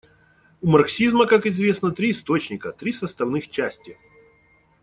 У марксизма, как известно, три источника, три составных части.